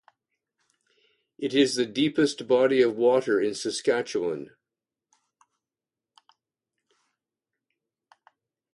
It is the deepest body of water in Saskatchewan.